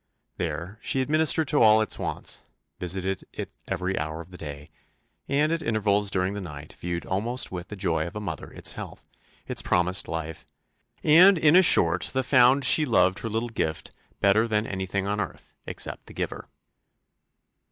There she administered to all its wants, visited it every hour of the day, and at intervals during the night viewed almost with the joy of a mother its health, its promised life and in a short the found she loved her little gift better than anything on earth, except the giver.